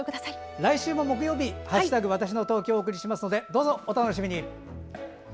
来週も木曜日「＃わたしの東京」をお送りしますので、お楽しみに。